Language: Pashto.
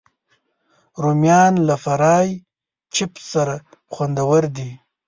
رومیان له فرای چپس سره خوندور دي